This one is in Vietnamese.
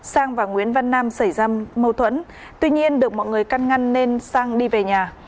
sang và nguyễn văn nam xảy ra mâu thuẫn tuy nhiên được mọi người căn ngăn nên sang đi về nhà